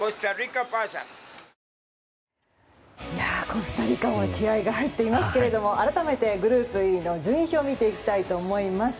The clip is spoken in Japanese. コスタリカは気合が入っていますけれども改めて、グループＥの順位表を見ていきたいと思います。